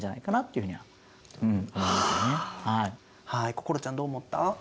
心ちゃんどう思った？